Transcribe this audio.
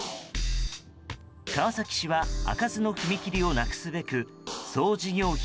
川崎市は開かずの踏切をなくすべく総事業費